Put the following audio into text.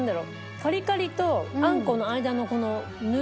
カリカリとあんこの間のこのヌルヌル？